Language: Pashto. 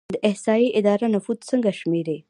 د احصایې اداره نفوس څنګه شمیري؟